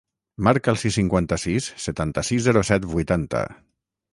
Marca el sis, cinquanta-sis, setanta-sis, zero, set, vuitanta.